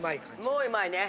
もううまいね。